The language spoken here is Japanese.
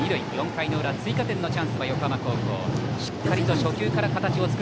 ４回の裏、追加点のチャンスは横浜高校です。